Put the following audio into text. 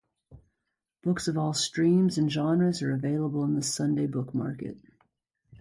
Books of all streams, genres are available in this Sunday Book Market.